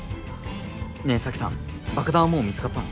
ねえ沙樹さん爆弾はもう見つかったの？